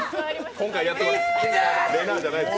今回やってます。